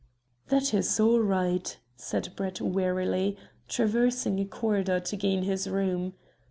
"That is all right," said Brett wearily, traversing a corridor to gain his room.